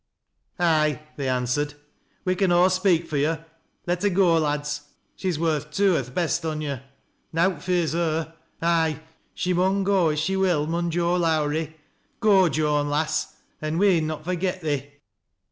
" Ay," they answered, " we con aw speak far yo'. Let her go, lads 1 She's worth two o' th' best on yo'. Nowt fears her. Ay, she mun go, if she will, mun Joan Lowrie 1 Go, Joan, lass, and we'n not forget thee